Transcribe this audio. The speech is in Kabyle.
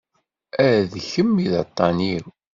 A d kemm i d aṭṭan-iw.